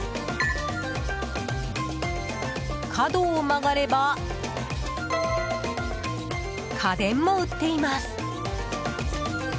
角を曲がれば家電も売っています。